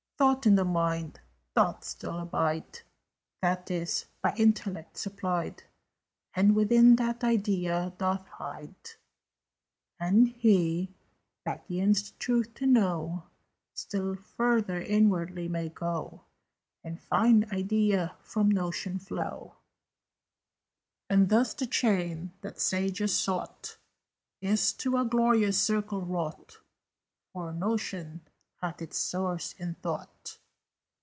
"Thought in the mind doth still abide: That is by Intellect supplied, And within that Idea doth hide: "And he, that yearns the truth to know, Still further inwardly may go, And find Idea from Notion flow: "And thus the chain, that sages sought, Is to a glorious circle wrought, For Notion hath its source in Thought."